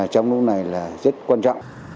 trong lúc này là rất quan trọng